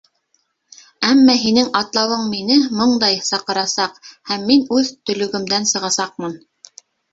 Әммә һинең атлауың мине, моңдай, саҡырасаҡ, һәм мин үҙ төлөгөмдән сығасаҡмын.